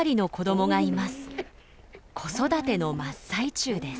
子育ての真っ最中です。